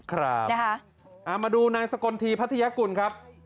ครับมาดูในสกลทีพัทยกุลครับ